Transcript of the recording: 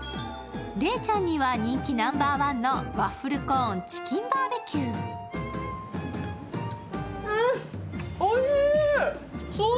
礼ちゃんには人気ナンバーワンのワッフルコーン・チキン・バーベキュー。